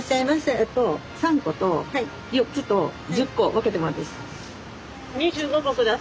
えっと３個と４つと１０個分けてもらっていいですか。